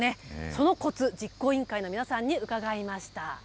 そのこつ、実行委員会の皆さんに伺いました。